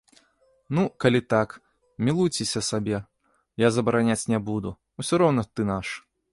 Ну, калі так, мілуйцеся сабе, я забараняць не буду, усё роўна ты наш.